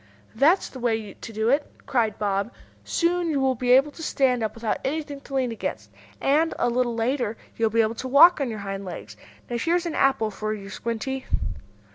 "That's the way to do it!" cried Bob. "Soon you will be able to stand up without anything to lean against. And, a little later, you will be able to walk on your hind legs. Now here's an apple for you, Squinty!"